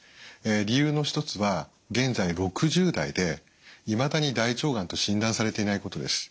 理由の一つは現在６０代でいまだに大腸がんと診断されていないことです。